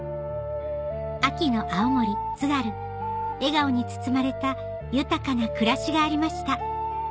秋の青森・津軽笑顔に包まれた豊かな暮らしがありました